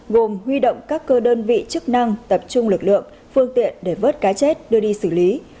gồm huy động các cơ đơn vị chức năng tập trung lực lượng phương tiện để vớt cá chết đưa đi xử lý